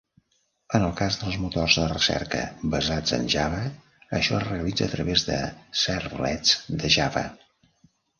En el cas dels motors de recerca basats en Java, això es realitza a través de Servlets de Java.